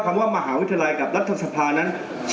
คำว่ามหาวิทยาลัยกับรัฐสภานั้น